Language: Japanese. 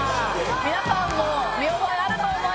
皆さんも見覚えあると思います。